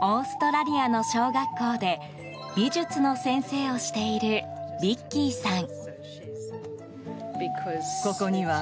オーストラリアの小学校で美術の先生をしているビッキーさん。